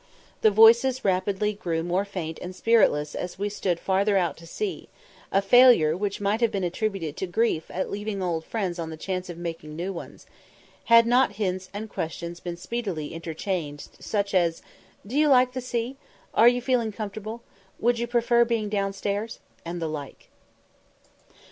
The voices rapidly grew more faint and spiritless as we stood farther out to sea, a failure which might have been attributed to grief at leaving old friends on the chance of making new ones, had not hints and questions been speedily interchanged, such as "Do you like the sea?" "Are you feeling comfortable?" "Would you prefer being downstairs?" and the like.